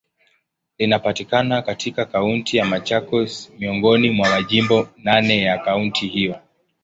Linapatikana katika Kaunti ya Machakos, miongoni mwa majimbo naneya kaunti hiyo.